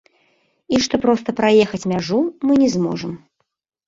І што проста праехаць мяжу мы не зможам.